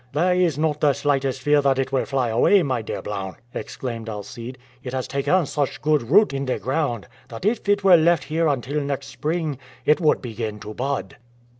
"There is not the slightest fear that it will fly away, my dear Blount!" exclaimed Alcide; "it has taken such good root in the ground, that if it were left here until next spring it would begin to bud."